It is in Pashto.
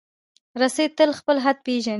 رسۍ تل خپل حد پېژني.